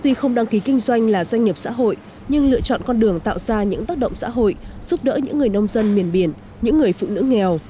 tuy không đăng ký kinh doanh là doanh nghiệp xã hội nhưng lựa chọn con đường tạo ra những tác động xã hội giúp đỡ những người nông dân miền biển những người phụ nữ nghèo